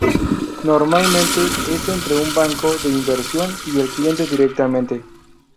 Normalmente es entre un banco de inversión y el cliente directamente.